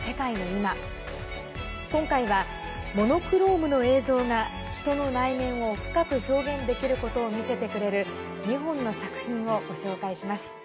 今回は、モノクロームの映像が人の内面を深く表現できることを見せてくれる２本の作品をご紹介します。